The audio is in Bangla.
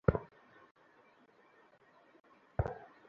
যে কোন পাঠক শ্রোতাই তাতে চমৎকৃত হয়।